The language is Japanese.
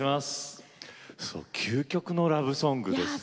究極のラブソングですよ。